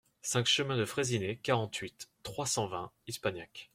cinq chemin de Fraissinet, quarante-huit, trois cent vingt, Ispagnac